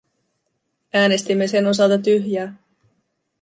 Äänestimme sen osalta tyhjää.